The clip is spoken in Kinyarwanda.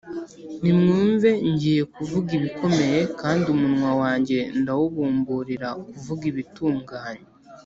nimwumve ngiye kuvuga ibikomeye, kandi umunwa wanjye ndawubumburira kuvuga ibitunganye